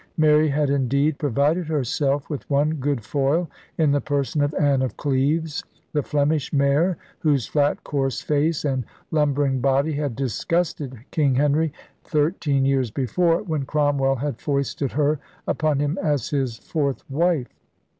Mary had, indeed, provided herself with one good foil in the person of Anne of Cleves, the * Flemish mare' whose flat coarse face and lumbering body had disgusted King Henry thir teen years before, when Cromwell had foisted her upon him as his fourth wife.